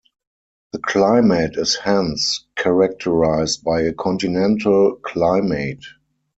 The climate is hence characterized by a continental climate.